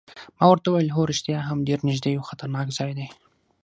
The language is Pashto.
ما ورته وویل: هو رښتیا هم ډېر نږدې یو، خطرناک ځای دی.